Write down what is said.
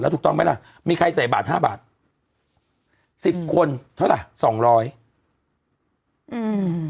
ถูกต้องไหมล่ะมีใครใส่บาทห้าบาทสิบคนเท่าไหร่สองร้อยอืม